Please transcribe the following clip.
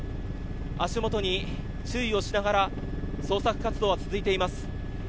足元に注意をしながら捜索活動は続いています。